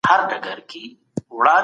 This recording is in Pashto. خپل وزن په مناسب حد کي وساتئ.